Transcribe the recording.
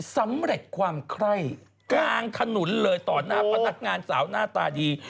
สำเร็จความไคร้กลางถนนเลยต่อหน้าพนักงานสาวหน้าตาดี